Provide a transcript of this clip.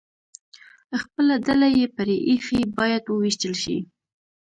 خپله ډله یې پرې ایښې، باید ووېشتل شي.